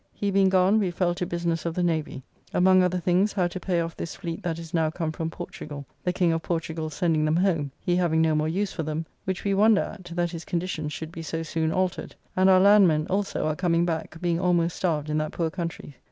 He being gone, we fell to business of the Navy. Among other things, how to pay off this fleet that is now come from Portugall; the King of Portugall sending them home, he having no more use for them, which we wonder at, that his condition should be so soon altered. And our landmen also are coming back, being almost starved in that poor country.